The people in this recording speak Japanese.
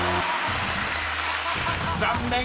［残念！